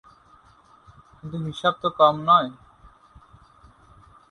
কিন্তু হিসাব তো কম নয়?